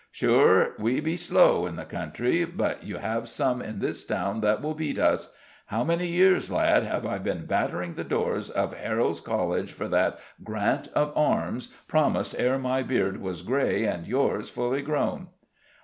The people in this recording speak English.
Sure, we be slow in the country, but you have some in this town that will beat us. How many years, lad, have I been battering the doors of Heralds' College for that grant of arms, promised ere my beard was grey and yours fully grown?"